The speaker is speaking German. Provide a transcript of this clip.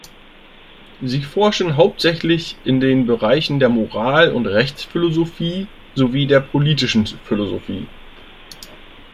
Sie forschen hauptsächlich in den Berichten der Moral- und Rechtsphilosophie sowie der politischen Philosophie.